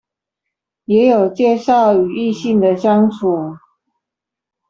也有介紹與異性的相處